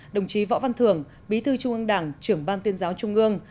đồng chí võ văn thường bí thư trung ương đảng trưởng ban tuyên giáo trung ương